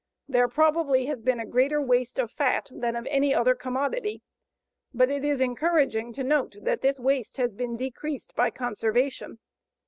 There probably has been a greater waste of fat than of any other commodity, but it is encouraging to note that this waste has been decreased by conservation.